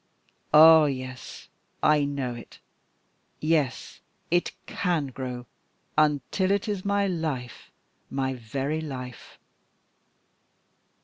"Ah! yes, I know it. Yes, it can grow until it is my life my very life."